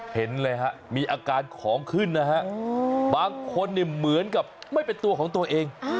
เห็นเลยฮะมีอาการของขึ้นนะฮะบางคนเนี่ยเหมือนกับไม่เป็นตัวของตัวเอง